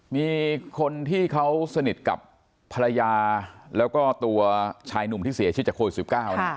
มีคนที่เขาสนิทกับภรรยาแล้วก็ตัวชายหนุ่มที่เสียชีวิตจากโควิด๑๙นะ